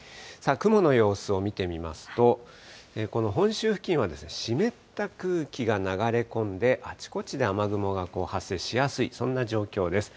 雲の様子を見てみますと、この本州付近は、湿った空気が流れ込んで、あちこちで雨雲が発生しやすい、そんな状況です。